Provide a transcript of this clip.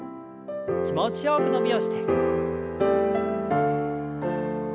気持ちよく伸びをして。